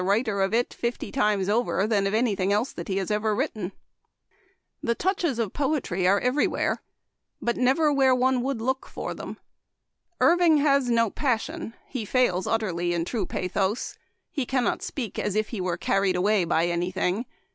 143 writer of it fifty times over than of any thing else that he has ever written. " The touches of poetry are every where ; but never where one would look for them. Irving has no passion ; he fails utterly in true pathos — cannot speak as if he were carried away by any thing.